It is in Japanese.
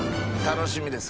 楽しみです。